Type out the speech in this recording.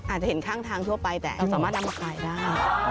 อาจจะเห็นข้างทางทั่วไปแต่สามารถนำมาขายได้